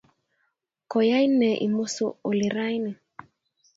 Koyain ne imusu oli raini?